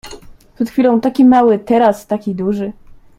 Przed chwilą taki mały, teraz taki duży